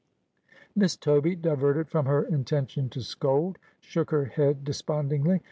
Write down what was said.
Miss Toby, diverted from her intention to scold, shook her head despondingly.